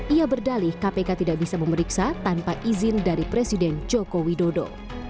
ia berdali kpk tidak bisa memeriksa tanpa izin dari presiden joko widodo